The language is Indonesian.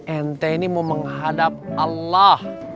ente ini mau menghadap allah